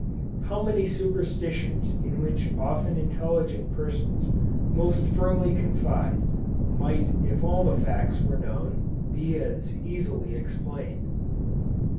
How many superstitions in which often intelligent persons most firmly confide, might if all the facts were known, be as easily explained.